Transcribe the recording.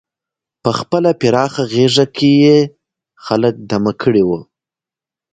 په خپله پراخه غېږه کې یې خلک دمه کړي وو.